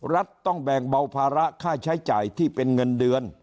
รัฐต้องแบ่งเบาภาระค่าใช้จ่ายที่เป็นเงินเดือน